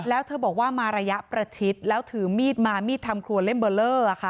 แล้วเธอบอกว่ามาระยะประชิดแล้วถือมีดมามีดทำครัวเล่มเบอร์เลอร์ค่ะ